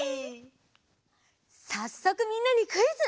さっそくみんなにクイズ。